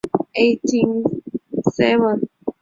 本名为景山浩宣。